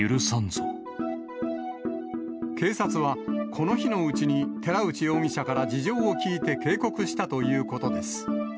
警察は、この日のうちに寺内容疑者から事情を聴いて、警告したということです。